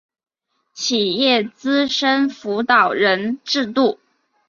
企业资深辅导人制度